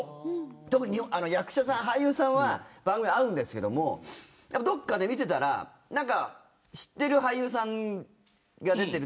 特に役者さん、俳優さんは番組で会うんですけどもどっかで見てたら、何か知ってる俳優さんが出てる。